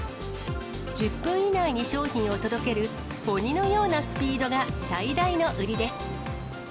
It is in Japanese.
１０分以内に商品を届ける、鬼のようなスピードが最大の売りです。